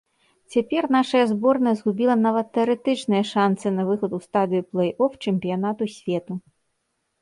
Цяпер нашая зборная згубіла нават тэарэтычныя шанцы на выхад у стадыю плэй-оф чэмпіянату свету.